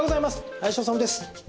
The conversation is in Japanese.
林修です。